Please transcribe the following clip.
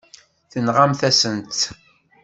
Tenɣamt-asent-tt.